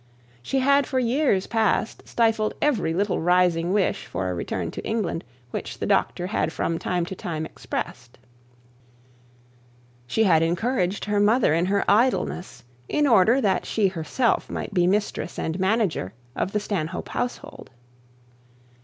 She had for years past stifled every little rising wish for a return to England which the doctor had from time to time expressed. She had encouraged her mother in her idleness in order that she herself might be mistress and manager of the Stanhope household.